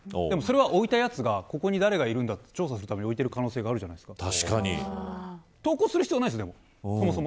それは置いたやつがここに誰がいるんだって調査するために置いている可能性があるじゃないですか。